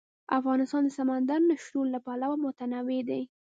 افغانستان د سمندر نه شتون له پلوه متنوع دی.